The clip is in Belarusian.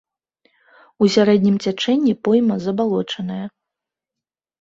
У сярэднім цячэнні пойма забалочаная.